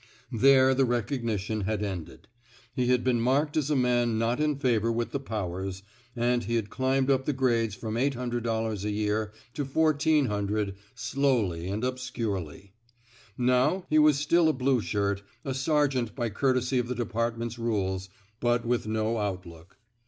*' There the recognition had ended. He had been marked as a man not in favor with the powers, and he had climbed up the grades from $800 a year to $1,400 slowly and obscurely. Now, he was still a blue shirt, a sergeant by courtesy of the department's rules, but with no outlook.